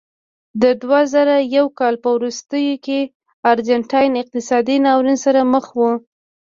د دوه زره یو کال په وروستیو کې ارجنټاین اقتصادي ناورین سره مخ و.